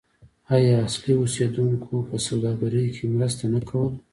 آیا اصلي اوسیدونکو په سوداګرۍ کې مرسته نه کوله؟